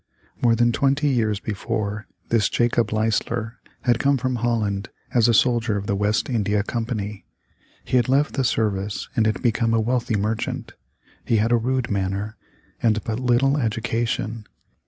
More than twenty years before, this Jacob Leisler had come from Holland as a soldier of the West India Company. He had left the service and had become a wealthy merchant. He had a rude manner, and but little education.